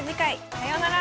さようなら。